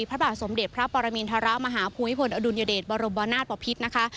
พระบาทสมเด็จพระปรมินทรมาฮภูมิพลอดุลยเดชบรมนาศปภิษนะคะ